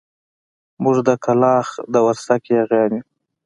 موږ د کلاخ د ورسک ياغيان يو.